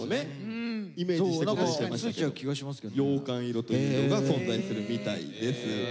羊羹色というのが存在するみたいです。